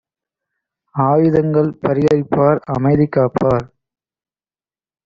ஆயுதங்கள் பரிகரிப்பார், அமைதி காப்பார்